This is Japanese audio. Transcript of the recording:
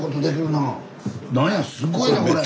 なんやすごいなこれ！